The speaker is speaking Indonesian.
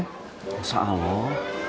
nggak usah loh